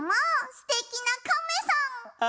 すてきなカメさん。